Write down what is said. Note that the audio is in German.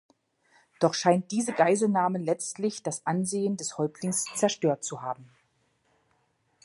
Doch scheint diese Geiselnahme letztlich das Ansehen des Häuptlings zerstört zu haben.